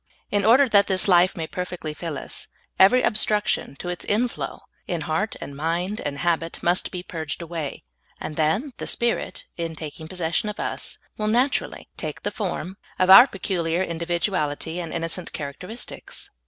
In order that this life may perfectly fill us, every obstruction to its inflow in heart and mind and habit must be purged away ; and then the Spirit, in taking possession of us, will naturally take the fonn of our pe 9 130 SOUL FOOD. culiar individuality and innocent characteristics.